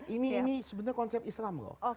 ini sebenarnya konsep islam loh